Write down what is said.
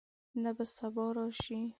ته به سبا راشې؟